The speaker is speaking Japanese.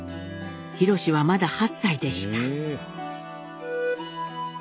廣はまだ８歳でした。